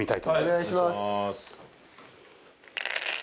お願いします。